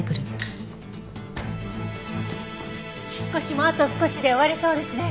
引っ越しもあと少しで終われそうですね。